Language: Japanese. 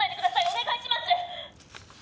お願いします！